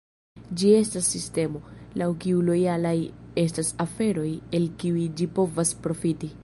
Ĝi estas sistemo, laŭ kiu lojalaj estas aferoj el kiuj ĝi povas profiti.